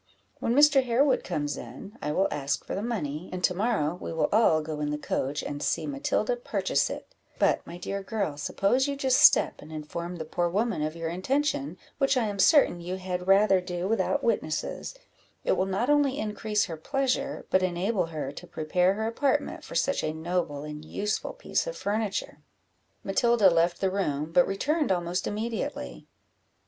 When Mr. Harewood comes in, I will ask for the money, and to morrow we will all go in the coach, and see Matilda purchase it: but, my dear girl, suppose you just step and inform the poor woman of your intention, which I am certain you had rather do without witnesses; it will not only increase her pleasure, but enable her to prepare her apartment for such a noble and useful piece of furniture." Matilda left the room, but returned almost immediately.